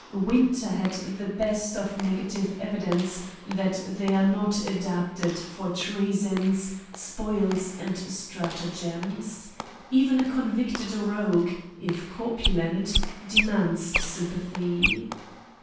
Winter had the best of negative evidence that they are not adapted for "treasons, spoils, and stratagems." Even a convicted rogue, if corpulent, demands sympathy.